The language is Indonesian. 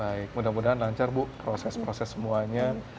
baik mudah mudahan lancar bu proses proses semuanya